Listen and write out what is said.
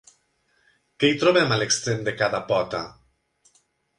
Què hi trobem a l'extrem de cada pota?